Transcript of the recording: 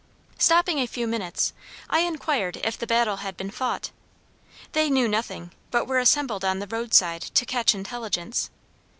"Stopping a few minutes I enquired if the battle had been fought. They knew nothing, but were assembled on the road side to catch intelligence.